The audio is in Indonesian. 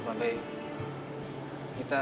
kita sama sama saling berhubung